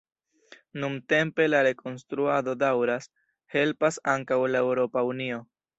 Nuntempe la rekonstruado daŭras, helpas ankaŭ la Eŭropa Unio.